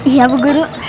iya bu guru